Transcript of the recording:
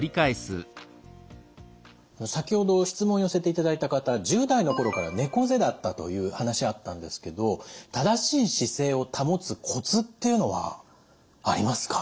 先ほど質問を寄せていただいた方１０代の頃から猫背だったという話あったんですけど正しい姿勢を保つコツっていうのはありますか？